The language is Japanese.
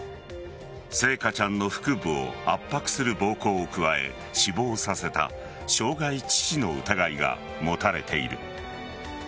星華ちゃんの腹部を圧迫する暴行を加え死亡させた傷害致死の疑いが持たれている。